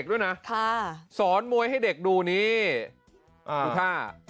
แล้วเดี๋ยวมีการไปสอนมวยให้เด็กด้วยนะสอนมวยให้เด็กดูนี่ดูค่ะ